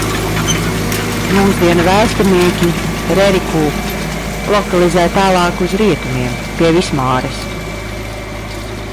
Mūsdienu vēsturnieki Reriku lokalizē tālāk uz rietumiem, pie Vismāras.